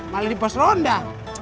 malah di pos ronda